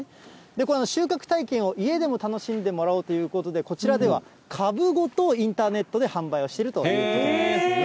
この収穫体験を家でも楽しんでもらおうということで、こちらでは、株ごとインターネットで販売をしているということなんですよね。